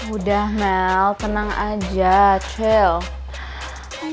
udah mel tenang aja cell